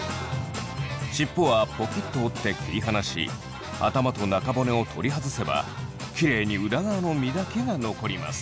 尻尾はポキッと折って切り離し頭と中骨を取り外せばキレイに裏側の身だけが残ります。